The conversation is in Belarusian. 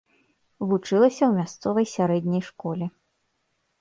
Вучылася ў мясцовай сярэдняй школе.